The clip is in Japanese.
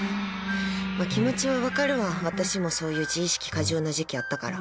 気持ちは分かるが私もそういう自意識過剰な時期あったから。